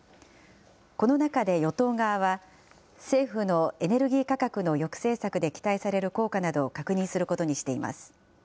この中で与党側は、政府のエネルギー価格の抑制策で期待される効果などを確認することにしています。